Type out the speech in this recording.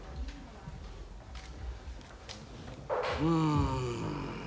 うん。